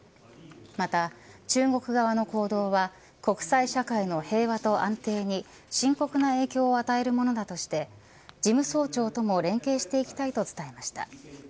また、中国側の行動は国際社会の平和と安定に深刻な影響を与えるものだとして事務総長とも連携していきたいと伝えました。